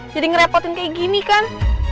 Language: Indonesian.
jadi ngerepotin kayak gini kan